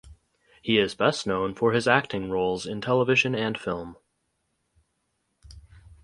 He is best known for his acting roles in television and film.